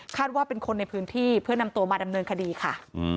ว่าเป็นคนในพื้นที่เพื่อนำตัวมาดำเนินคดีค่ะ